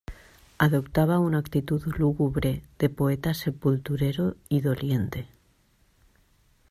adoptaba una actitud lúgubre de poeta sepulturero y doliente.